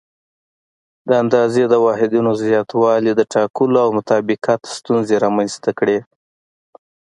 د اندازې د واحداتو زیاتوالي د ټاکلو او مطابقت ستونزې رامنځته کړې.